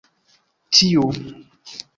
tiu